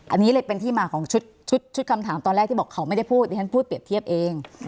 อันนี้เลยเป็นที่มาของชุดคำถามตอนแรกที่บอกเขาไม่ได้พูดดิฉันพูดเปรียบเทียบเอง